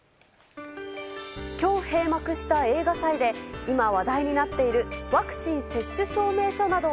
今日、閉幕した映画祭で今、話題になっているワクチン接種証明書などを